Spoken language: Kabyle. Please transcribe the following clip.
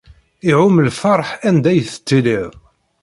Iɛum lferḥ anda i tettiliḍ.